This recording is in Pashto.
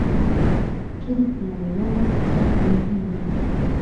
چین په نړیواله اقتصاد کې مهم رول لري.